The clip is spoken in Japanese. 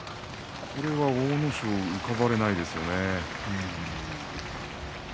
これでは阿武咲が浮かばれないですよね。